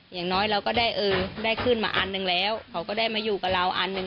อย่างน้อยเราก็ได้เออได้ขึ้นมาอันหนึ่งแล้วเขาก็ได้มาอยู่กับเราอันหนึ่ง